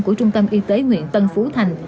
của trung tâm y tế nguyện tân phú thành